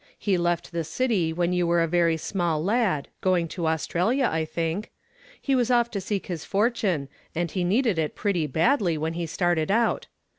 He left the city when you were a very small lad, going to Australia, I think. He was off to seek his fortune, and he needed it pretty badly when he started out.